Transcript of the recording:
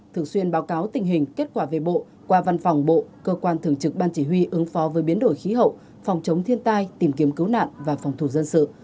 thường xuyên báo cáo tình hình kết quả về bộ qua văn phòng bộ cơ quan thường trực ban chỉ huy ứng phó với biến đổi khí hậu phòng chống thiên tai tìm kiếm cứu nạn và phòng thủ dân sự